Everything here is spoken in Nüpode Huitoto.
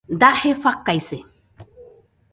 Daje fakaise